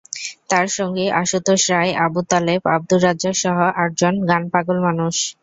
তাঁর সঙ্গী আশুতোষ রায়, আবু তালেব, আবদুর রাজ্জাকসহ আটজন গানপাগল মানুষ।